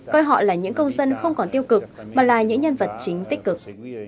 coi họ là những công dân không còn tiêu cực mà là những nhân vật chính tích cực